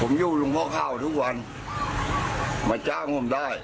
ผมอยู่หลวงพ่อข้าวทุกวันมาจ้างผมได้